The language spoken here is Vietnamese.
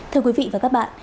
thưa quý vị và các bạn